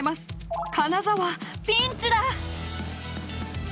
金沢ピンチだ！